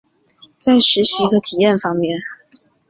在实习和体验方面